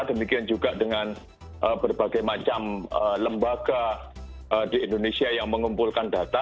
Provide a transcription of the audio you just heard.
demikian juga dengan berbagai macam lembaga di indonesia yang mengumpulkan data